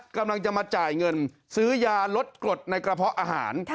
กำลังจะมาจ่ายเงินซื้อยาลดกรดในกระเพาะอาหาร